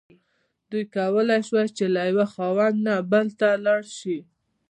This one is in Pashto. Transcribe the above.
دوی کولی شول له یوه خاوند نه بل ته لاړ شي.